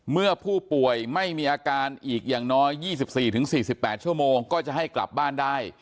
เมื่อผู้ป่วยไม่มีอาการอีกอย่างน้อย๒๔๔๘ชั่วโมงก็จะให้กลับบ้านได้